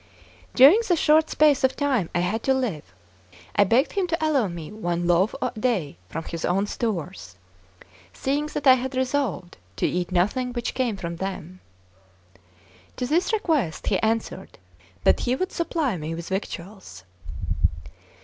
During the short space of time I had to live, I begged him to allow me one loaf a day from his own stores, seeing that I had resolved to eat nothing which came from them. To this request he answered that he would supply me with victuals.